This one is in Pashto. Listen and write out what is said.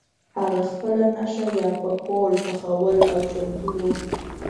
هغه خپله نښه یا پکول پخول او چمتو وو.